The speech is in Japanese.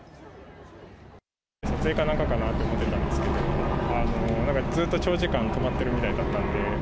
撮影かなんかかなって思ってたんですけど、なんかずっと長時間止まってるみたいだったので。